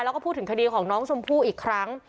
แล้วก็พูดถึงคดีของน้องชมพู่อีกครั้ง